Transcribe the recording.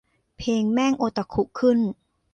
เพลงแม่งโอตาคุขึ้น